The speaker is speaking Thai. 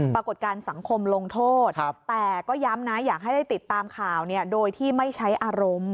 ปรากฏการณ์สังคมลงโทษแต่ก็ย้ำนะอยากให้ได้ติดตามข่าวโดยที่ไม่ใช้อารมณ์